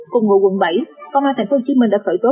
cùng ngụ quận bảy công an tp hcm đã khởi tố